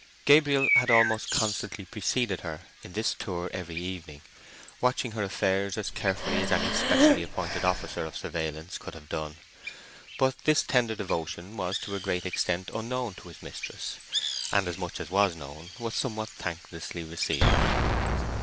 Gabriel had almost constantly preceded her in this tour every evening, watching her affairs as carefully as any specially appointed officer of surveillance could have done; but this tender devotion was to a great extent unknown to his mistress, and as much as was known was somewhat thanklessly received.